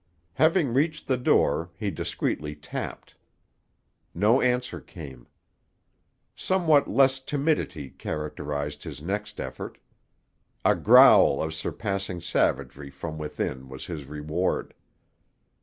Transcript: Having reached the door, he discreetly tapped. No answer came. Somewhat less timidity characterized his next effort. A growl of surpassing savagery from within was his reward.